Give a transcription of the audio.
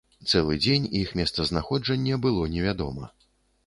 Цэлы дзень іх месцазнаходжанне было невядома.